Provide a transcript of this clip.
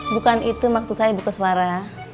bukan itu maksud saya bu koswara